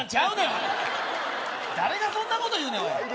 おい誰がそんなこと言うねんおい